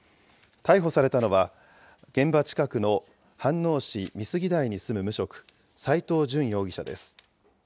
逮捕されたのは、現場近くの飯能市美杉台に住む無職、斎藤淳容疑者です。